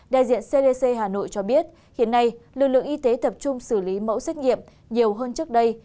đại diện cdc hà nội cho biết hiện nay lực lượng y tế tập trung xử lý mẫu xét nghiệm nhiều hơn trước đây